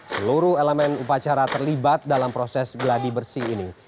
seluruh elemen upacara terlibat dalam proses geladi bersih ini